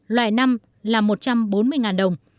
loại năm là một trăm bốn mươi đồng